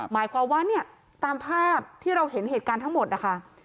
หมายความว่าเนี่ยตามภาพที่เราเห็นเหตุการณ์ทั้งหมดนะคะ